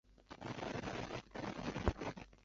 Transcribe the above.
一点都没有该有的礼貌